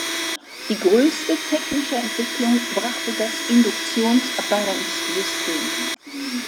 Die größte technische Entwicklung brachte das Induktions-Balance-System.